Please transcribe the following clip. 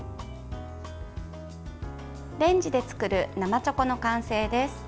レンジで作る生チョコの完成です。